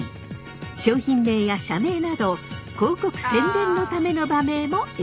商品名や社名など広告・宣伝のための馬名もＮＧ。